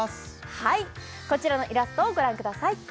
はいこちらのイラストをご覧ください